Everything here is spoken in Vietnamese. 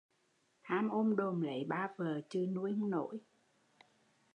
Ham ôm đồm lấy ba vợ chừ nuôi không nổi